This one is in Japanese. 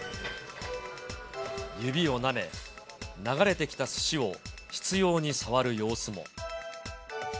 指をなめ、流れてきたすしを執ように触る様子も。